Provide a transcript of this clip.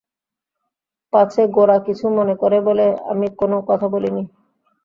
পাছে গোরা কিছু মনে করে বলে আমি কোনো কথা বলি নি।